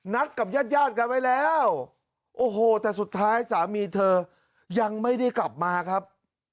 กับญาติญาติกันไว้แล้วโอ้โหแต่สุดท้ายสามีเธอยังไม่ได้กลับมาครับ